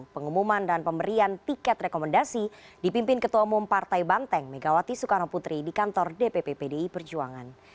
pengumuman dan pemberian tiket rekomendasi dipimpin ketua umum partai banteng megawati soekarnoputri di kantor dpppdi perjuangan